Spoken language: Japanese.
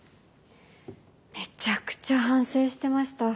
めちゃくちゃ反省してました。